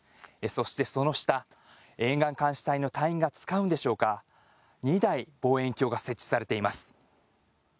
そして、その下沿岸監視隊の隊員が使うんでしょうか２台、望遠鏡が設置されています。